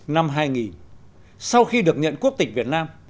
năm hai nghìn sau khi được nhận quốc tịch việt nam